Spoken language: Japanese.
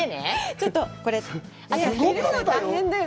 ちょっとこれ、大変だよ。